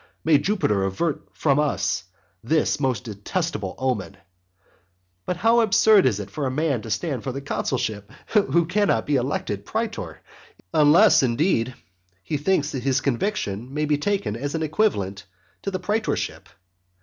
May Jupiter avert from us this most detestable omen! But how absurd is it for a man to stand for the consulship who cannot be elected praetor! unless, indeed, he thinks his conviction may be taken as an equivalent to the praetorship.